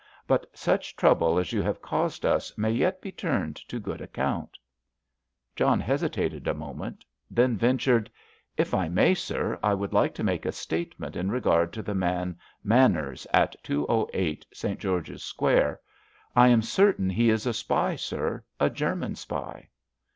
But such trouble as you have caused us may yet be turned to good account." John hesitated a moment, then ventured: "If I may, sir, I would like to make a statement in regard to the man Manners, at 208, St. George's Square, I am certain he is a spy, sir—a German spy."